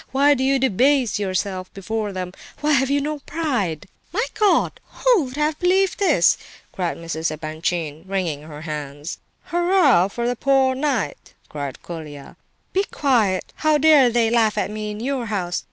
Why do you debase yourself before them? Why have you no pride?" "My God! Who would ever have believed this?" cried Mrs. Epanchin, wringing her hands. "Hurrah for the 'poor knight'!" cried Colia. "Be quiet! How dare they laugh at me in your house?"